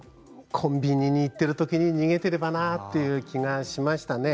コンビニに行っているときに逃げていればなという気がしましたね。